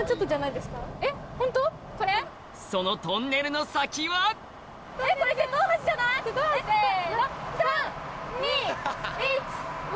そのトンネルの先はせの！